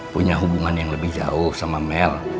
punya hubungan yang lebih jauh sama mel